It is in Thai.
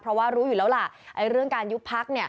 เพราะว่ารู้อยู่แล้วล่ะเรื่องการยุบพักเนี่ย